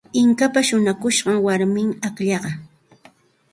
Inkapa shuñakushqan warmim akllaqa.